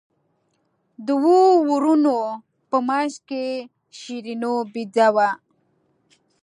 د اوو وروڼو په منځ کې شیرینو بېده وه.